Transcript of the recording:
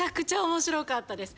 面白かったです。